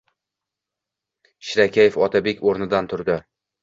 ...Shirakayf Otabek o‘rnidan turdi